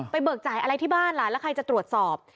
เบิกจ่ายอะไรที่บ้านล่ะแล้วใครจะตรวจสอบ